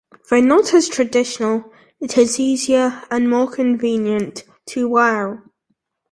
Though not as traditional, it is easier and more convenient to wear.